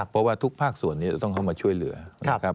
เพราะว่าทุกภาคส่วนนี้จะต้องเข้ามาช่วยเหลือนะครับ